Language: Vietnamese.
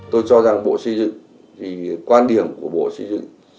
tôi cho rằng bộ xây dựng thì quan điểm của bộ xây dựng